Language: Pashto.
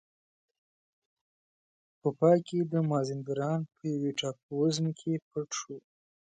په پای کې د مازندران په یوې ټاپو وزمې کې پټ شو.